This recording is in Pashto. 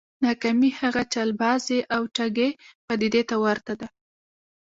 ناکامي هغې چلبازې او ټګې پديدې ته ورته ده.